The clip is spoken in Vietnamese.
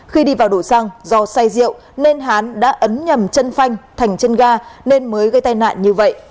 khi đi vào đổ xăng do say rượu nên hắn đã ấn nhầm chân phanh thành trên ga nên mới gây tai nạn như vậy